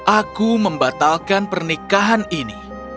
aku membatalkan pernikahan ini